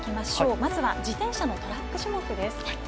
まずは自転車のトラック種目です。